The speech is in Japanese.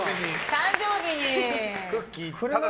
誕生日に。